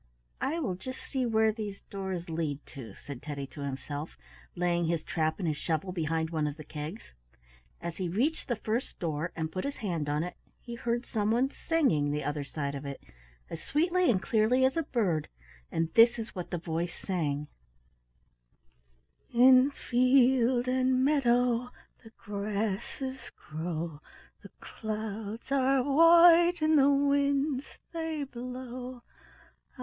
"I will just see where these doors lead to," said Teddy to himself, laying his trap and his shovel behind one of the kegs. As he reached the first door and put his hand on it he heard someone singing the other side of it as sweetly and clearly as a bird, and this is what the voice sang: "In field and meadow the grasses grow; The clouds are white and the winds they blow.